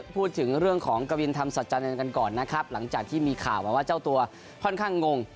พูดถึงเรื่องของกวินธรรมสัจจันทร์กันก่อนนะครับหลังจากที่มีข่าวมาว่าเจ้าตัวค่อนข้างงง